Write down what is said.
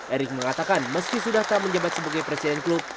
erick mengatakan meski sudah tak menjabat sebagai presiden klub